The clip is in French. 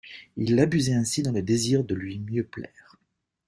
Il l'abusait ainsi dans le désir de lui mieux plaire.